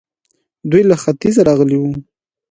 دوی له ختيځه راغلي وو